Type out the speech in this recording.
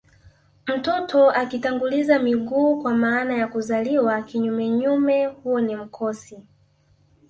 Mtoto akitanguliza miguu kwa maana ya kuzaliwa kinyumenyume huo ni mkosi